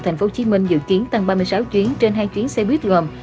thành phố hồ chí minh dự kiến tăng ba mươi sáu chuyến trên hai chuyến xe buýt gồm